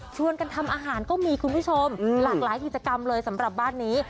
กันทำอาหารก็มีคุณผู้ชมหลากหลายกิจกรรมเลยสำหรับบ้านนี้